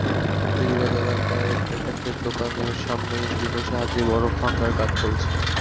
বেড়িবাঁধ এলাকায় ও পাইকারদের দোকানের সামনে ইঞ্জিনের সাহায্যে বরফ ভাঙার কাজ চলছে।